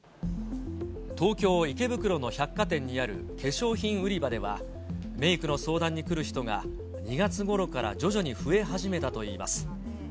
東京・池袋の百貨店にある化粧品売り場では、メークの相談に来る人が２月ごろから徐々に増え始めたといいます。